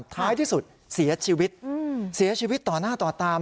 ท้ายที่สุดเสียชีวิตเสียชีวิตต่อหน้าต่อตา